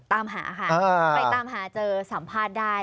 ตามหาค่ะไปตามหาเจอสัมภาษณ์ได้